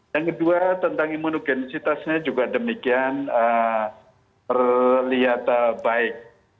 yang kedua tentang imunogenisitasnya juga demikian terlihat baik